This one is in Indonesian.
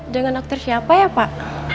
dengan aktor siapa ya pak